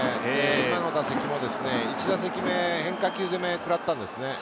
今の打席も１打席目、変化球攻め食らったんですね。